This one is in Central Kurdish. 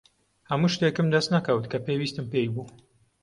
هەموو شتێکم دەست نەکەوت کە پێویستم پێی بوو.